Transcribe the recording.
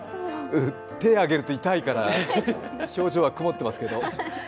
手を挙げると痛いから表情は暗いですけど。